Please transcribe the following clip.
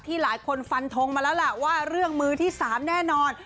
หลายคนฟันทงมาแล้วล่ะว่าเรื่องมือที่๓แน่นอน